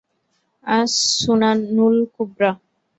আস সুনানুল কুবরা